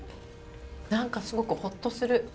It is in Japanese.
何かすごくホッとする。